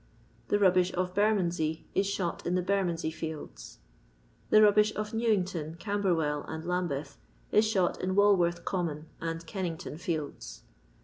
The rubbish of Bermondsey is shot in the Bermondsey fields. The rubbish of Newington, Camberwell, and Lambeth, is shot in Walworth common and Kennington fields.